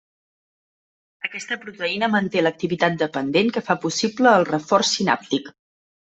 Aquesta proteïna manté l'activitat dependent que fa possible el reforç sinàptic.